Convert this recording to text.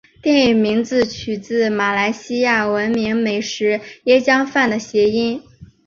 电影名字取自马来西亚闻名美食椰浆饭的谐音。